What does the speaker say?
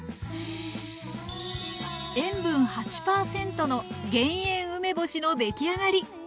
塩分８％の減塩梅干しのできあがり！